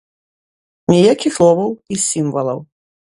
Ніякіх словаў і сімвалаў.